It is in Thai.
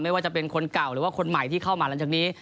ว่าจะเป็นคนเก่าหรือว่าคนใหม่ที่เข้ามาหลังจากนี้